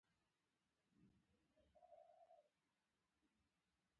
چرواکی رمه څاري.